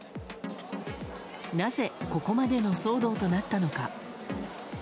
なぜここまでの騒動となったのか。